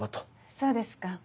そうですか。